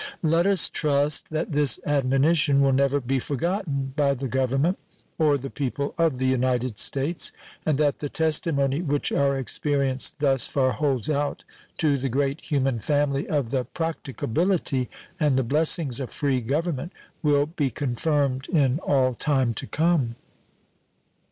Let us trust that this admonition will never be forgotten by the Government or the people of the United States, and that the testimony which our experience thus far holds out to the great human family of the practicability and the blessings of free government will be confirmed in all time to come.